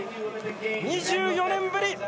２４年ぶり！